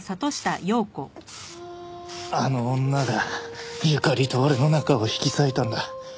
あの女が友加里と俺の仲を引き裂いたんだ。